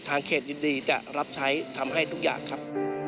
เขตยินดีจะรับใช้ทำให้ทุกอย่างครับ